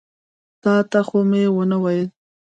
تا ته خو مې ونه ویل.